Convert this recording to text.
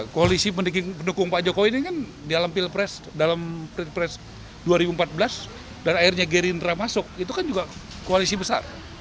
koalisi pendukung pak jokowi ini kan dalam pilpres dalam pilpres dua ribu empat belas dan akhirnya gerindra masuk itu kan juga koalisi besar